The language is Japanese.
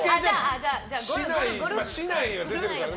竹刀が出てるからね。